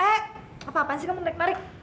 eh apa apaan sih kamu tarik tarik